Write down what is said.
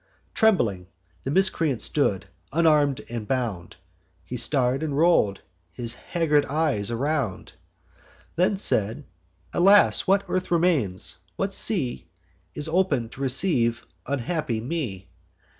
Trembling the miscreant stood, unarm'd and bound; He star'd, and roll'd his haggard eyes around, Then said: 'Alas! what earth remains, what sea Is open to receive unhappy me?